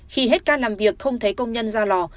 khi hết ca làm việc không thấy công nhân ra lò